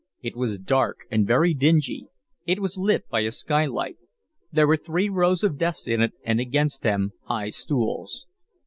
It was dark and very dingy. It was lit by a skylight. There were three rows of desks in it and against them high stools.